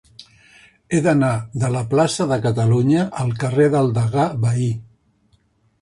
He d'anar de la plaça de Catalunya al carrer del Degà Bahí.